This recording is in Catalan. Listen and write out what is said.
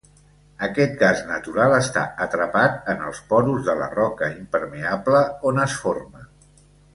Aquest gas natural està atrapat en els porus de la roca impermeable on es forma.